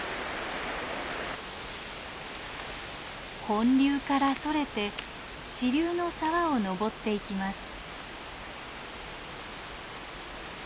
本流からそれて支流の沢を登っていきます。